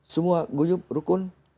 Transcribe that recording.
semua gujup rukun